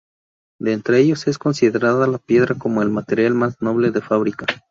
De entre ellos es considerada la piedra como el material más noble de fábrica.